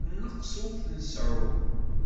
Nneqs ur t-nseɛɛu.